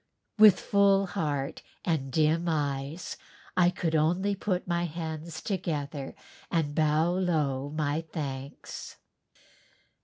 With full heart and dim eyes I could only put my hands together and bow low my thanks.